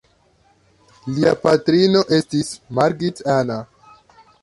Lia patrino estis Margit Anna.